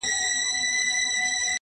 هغه به دروند ساتي چي څوک یې په عزت کوي’